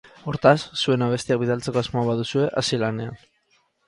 Hortaz, zuen abestiak bidaltzeko asmoa baduzue, hasi lanean!